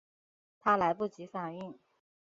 她来不及反应